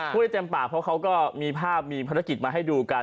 ให้เต็มปากเพราะเขาก็มีภาพมีภารกิจมาให้ดูกัน